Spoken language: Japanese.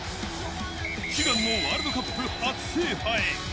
悲願のワールドカップ初制覇へ。